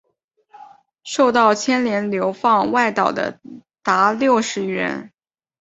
受到牵连流放外岛的达六十余人。